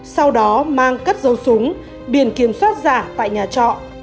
sau đó mang cất dấu súng biển kiểm soát giả tại nhà trọ